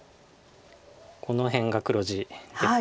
この辺が黒地です。